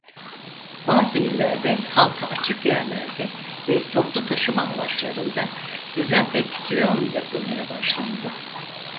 Bazı illerde halka açık yerlerde ve toplu taşıma araçlarında dezenfeksiyon yapılmaya başlandı.